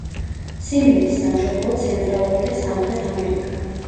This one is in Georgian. სიმინდის სამშობლოა ცენტრალური და სამხრეთ ამერიკა.